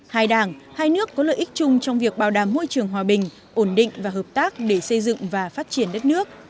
hai đảng hai nước có lợi ích chung trong việc bảo đảm môi trường hòa bình ổn định và hợp tác để xây dựng và phát triển đất nước